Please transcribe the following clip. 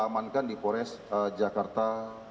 amankan di pores jakarta